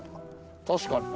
確かにね。